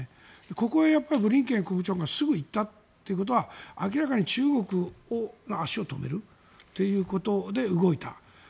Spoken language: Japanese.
ここへブリンケン国務長官がすぐ行ったということは明らかに中国の足を止めるということで動いた。